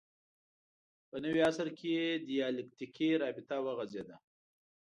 په نوي عصر کې دیالکتیکي رابطه وغځېده